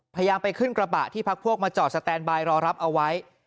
พยายามไปขึ้นกระบะที่พักพวกมาจอดสแตนบายรอรับเอาไว้